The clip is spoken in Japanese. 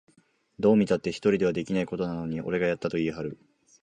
どう見たって一人ではできないことなのに、俺がやったと言いはる